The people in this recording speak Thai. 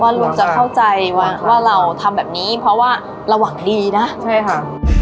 ลุงจะเข้าใจว่าเราทำแบบนี้เพราะว่าเราหวังดีนะใช่ค่ะ